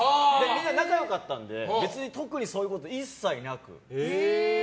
みんな仲良かったので特にそういうことは一切なく。